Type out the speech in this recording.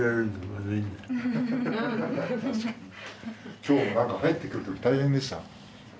今日もなんか入ってくる時大変でした。